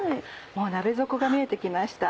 もう鍋底が見えて来ました。